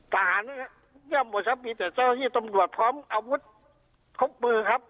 ท่านยังหมดครับมีแต่เจ้าหน้าที่ตำรวจพร้อมอาวุธทบมือครับ